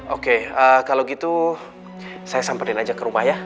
oke kalau gitu saya samperin aja ke rumah ya